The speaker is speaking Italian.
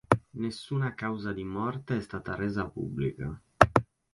Nessuna causa di morte è stata resa pubblica.